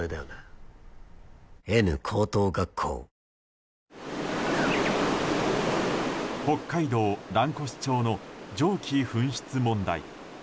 はぁ北海道蘭越町の蒸気噴出問題。